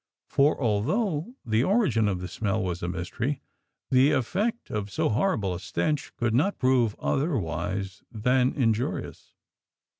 for although the origin of the Smell was a mystery, the effect of so horrible a stench could not prove otherwise than injurious.